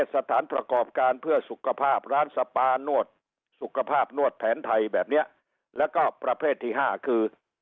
สุขภาพนวดแผนไทยแบบเนี้ยแล้วก็ประเภทที่ห้าคือ